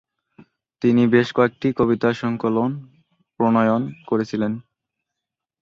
তিনি বেশ কয়েকটি কবিতা সংকলন প্রণয়ন করেছিলেন।